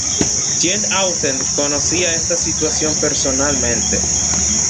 Jane Austen conocía esta situación personalmente.